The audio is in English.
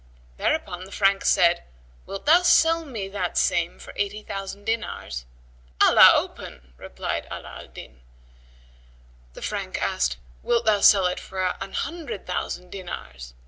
Thereupon the Frank said, "Wilt thou sell me that same for eighty thousand dinars?" "Allah open!" replied Ala al Din. The Frank asked, "Wilt thou sell it for an hundred thousand dinars?"